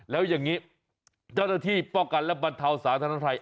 แล้วอย่างนี้เจ้าหน้าที่ป้องกันและบรรเทาสาธารณภัย